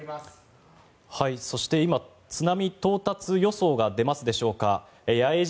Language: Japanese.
そして津波到達予想が出ますでしょうか。